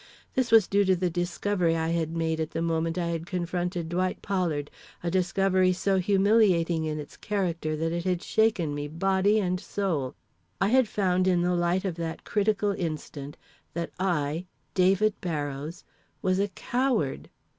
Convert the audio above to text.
This was due to the discovery I had made at the moment I had confronted Dwight Pollard a discovery so humiliating in its character that it had shaken me, body and soul. I had found in the light of that critical instant that I, David Barrows, was _a coward!